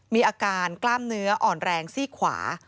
มีอาการกล้ามเนื้ออ่อนแรงซี่ขวา